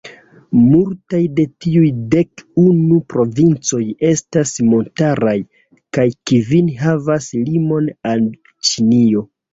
Multaj de tiuj dek unu provincoj estas montaraj, kaj kvin havas limon al Ĉinio.